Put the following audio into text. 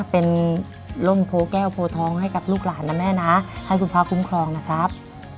เป็นร่มโพแก้วโพทองให้กับลูกหลานนะแม่นะให้คุณพระคุ้มครองนะครับ